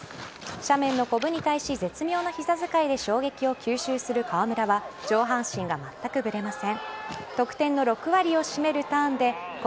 斜面のこぶに対し絶妙な膝使いで衝撃を吸収する川村は上半身がまったくぶれません。